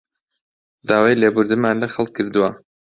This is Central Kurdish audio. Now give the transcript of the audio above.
داوای لێبوردنمان لە خەڵک کردووە